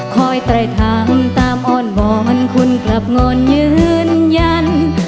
ไตรทางตามอ้อนวอนคุณกลับงอนยืนยัน